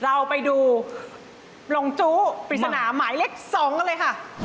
เราไปดูลงจู้ปริศนาหมายเลข๒กันเลยค่ะ